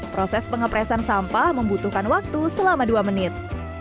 proses pengepresan sampah membutuhkan waktu selama dua menit